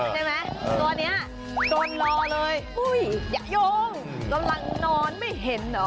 ใช่ไหมตัวนี้โดนรอเลยอุ้ยอย่าโยงกำลังนอนไม่เห็นเหรอ